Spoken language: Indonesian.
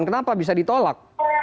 kenapa bisa ditolak